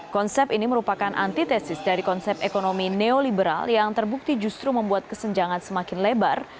konsep ini merupakan antitesis dari konsep ekonomi neoliberal yang terbukti justru membuat kesenjangan semakin lebar